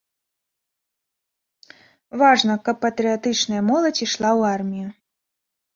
Важна, каб патрыятычная моладзь ішла ў армію.